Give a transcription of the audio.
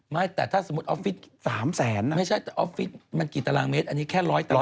ไม่แต่ถ้าสมมุติออฟฟิศ๓แสนไม่ใช่แต่ออฟฟิศมันกี่ตารางเมตรอันนี้แค่๑๐๐ตาราง